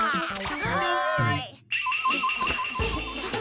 はい。